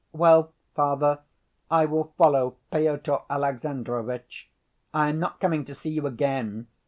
"Well, Father, I will follow Pyotr Alexandrovitch! I am not coming to see you again.